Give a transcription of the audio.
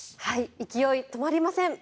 勢い、止まりません。